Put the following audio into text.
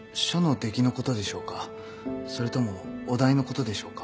それともお題のことでしょうか？